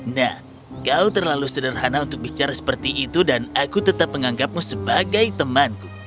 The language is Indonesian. nah kau terlalu sederhana untuk bicara seperti itu dan aku tetap menganggapmu sebagai temanku